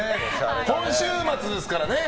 今週末ですからね。